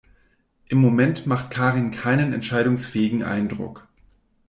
Im Moment macht Karin keinen entscheidungsfähigen Eindruck.